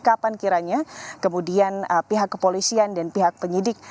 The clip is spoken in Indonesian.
kapan kiranya kemudian pihak kepolisian dan pihak penyidik